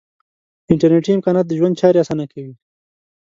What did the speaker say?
انټرنیټي امکانات د ژوند چارې آسانه کوي.